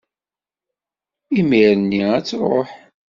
imir-nni ad-tṛuḥ.